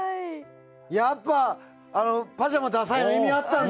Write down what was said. やっぱパジャマださいの意味あったんだ。